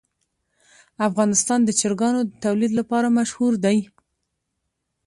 افغانستان د چرګانو د تولید لپاره مشهور دی.